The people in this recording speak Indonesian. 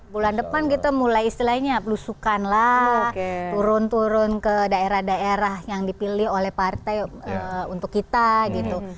bulan depan kita mulai istilahnya belusukan lah turun turun ke daerah daerah yang dipilih oleh partai untuk kita gitu